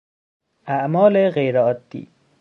اعمال غیرعادی